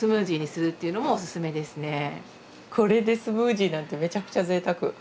これでスムージーなんてめちゃくちゃぜいたく。